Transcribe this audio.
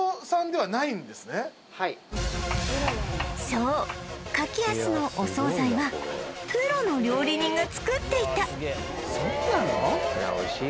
そう柿安のお惣菜はプロの料理人が作っていたそうなの？